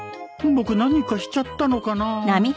僕何かしちゃったのかな？